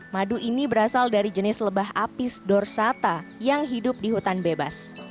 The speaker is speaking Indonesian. madu ini berasal dari jenis lebah apis dorsata yang hidup di hutan bebas